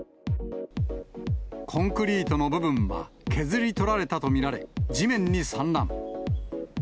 コンクリートの部分は削り取られたと見られ、地面に散乱。